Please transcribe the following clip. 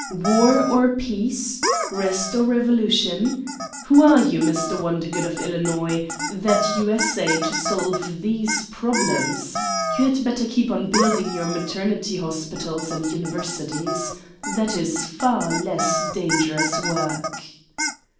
War or peace? Eest or revolution? Who are you, Mr. Wondergood of Illinois, that you essay to solve these problems? 24 Satan's Diary You had better keep on building your maternity hospitals and universities. That is far less dan gerous work."